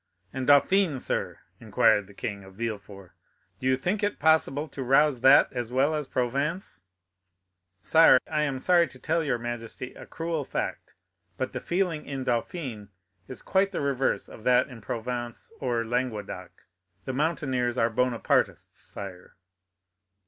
"And Dauphiné, sir?" inquired the king, of Villefort. "Do you think it possible to rouse that as well as Provence?" "Sire, I am sorry to tell your majesty a cruel fact; but the feeling in Dauphiné is quite the reverse of that in Provence or Languedoc. The mountaineers are Bonapartists, sire."